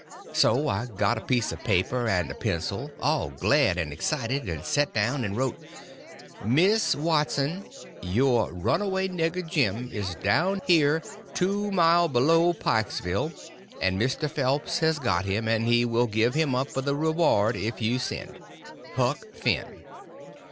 So I got a piece of paper and a pencil, all glad and excited, and set down and wrote: Miss Watson, your runaway nigger Jim is down here two mile below Pikesville, and Mr. Phelps has got him and he will give him up for the reward if you send. _Huck Finn.